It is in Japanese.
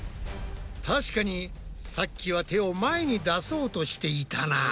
確かにさっきは手を前に出そうとしていたな。